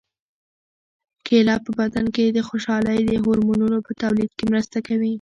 کیله په بدن کې د خوشالۍ د هورمونونو په تولید کې مرسته کوي.